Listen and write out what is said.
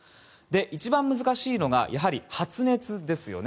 一番難しいのがやはり発熱ですよね。